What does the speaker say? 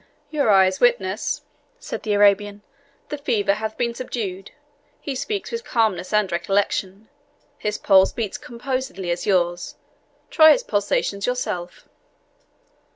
"Your eyes witness," said the Arabian, "the fever hath been subdued. He speaks with calmness and recollection his pulse beats composedly as yours try its pulsations yourself."